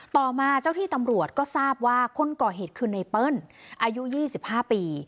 ต่อมาเจ้าที่ตำรวจก็ทราบว่าคนก่อเหตุคือไนเปิ้ลอายุ๒๕ปี